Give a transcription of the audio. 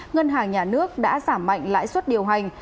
ngân hàng nhà nước đã giảm mạnh lãi suất điều hành